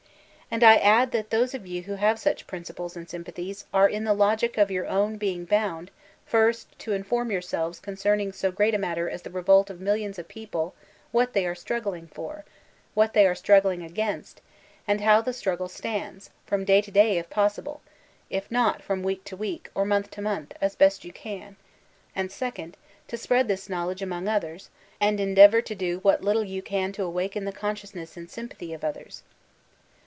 And I add that those of you who have such principles and sympathies are in the lofpc of your own bring bound, first, to inform yourselves concerning so great a matter as the revok of millions of people — what they are struggling for, what they are struggling against, and how the struggle stands— from day to day, if possible; if not, from week to week, or mondi to month, as best you can; and second, to spread 254 VOLTAIKINE DE ClEYKE this knowledge among others, and endeavor to do what little you can to awaken the consciousness and sympathy of others.